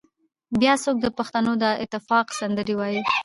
بيا څوک د پښتنو د اتفاق سندرې وايي